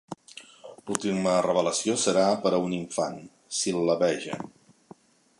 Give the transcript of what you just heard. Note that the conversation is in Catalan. L'última revelació serà per a un infant, sil·labeja.